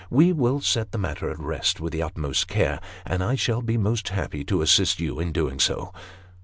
" We will set the matter at rest with the utmost care, and I shall be most happy to assist you in doing so."